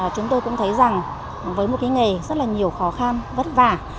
chúng tôi cũng thấy rằng với một cái nghề rất là nhiều khó khăn vất vả